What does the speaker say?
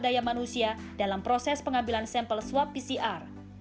daya manusia dalam proses pengambilan sampel swab pcr